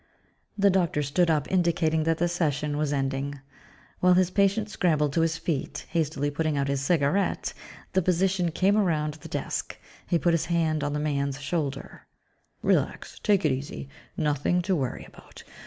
The doctor stood up, indicating that the session was ending. While his patient scrambled to his feet, hastily putting out his cigarette, the physician came around the desk. He put his hand on the man's shoulder, "Relax, take it easy nothing to worry about.